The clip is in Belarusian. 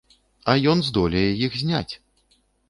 А ён здолее іх зняць!